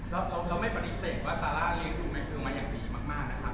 เราไม่ปฎิเสธว่าซาร่าเรียนรูมในช่วงมาอย่างดีมาก